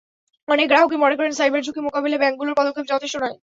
অনেক গ্রাহকই মনে করেন, সাইবার ঝুঁকি মোকাবিলায় ব্যাংকগুলোর পদক্ষেপ যথেষ্ট নয়।